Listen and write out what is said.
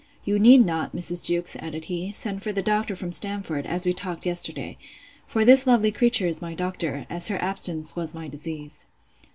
You need not, Mrs. Jewkes, added he, send for the doctor from Stamford, as we talked yesterday; for this lovely creature is my doctor, as her absence was my disease.